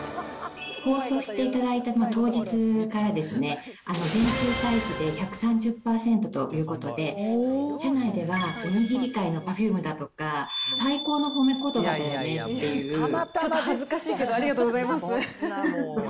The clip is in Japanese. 放送していただいた当日からですね、前週対比で１３０％ということで、社内では、おにぎり界のパフュームだとか、最高のほめことばだよねっていうちょっと恥ずかしいけど、ありがとうございます。